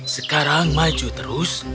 sekarang maju terus